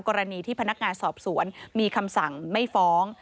กรณีที่พนักงานสอบสวนมีคำสั่งไม่ฟ้อง